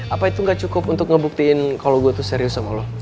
apa itu gak cukup untuk ngebuktiin kalau gue tuh serius sama lo